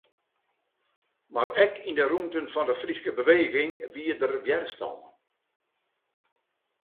Mar ek yn de rûnten fan de Fryske beweging wie der wjerstân.